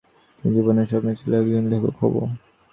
Nigel, আমার সারা জীবনের স্বপ্ন ছিল একজন লেখক হবো।